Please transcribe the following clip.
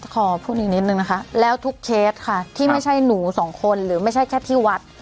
ขอพูดอีกนิดนึงนะคะแล้วทุกเคสค่ะที่ไม่ใช่หนูสองคนหรือไม่ใช่แค่ที่วัด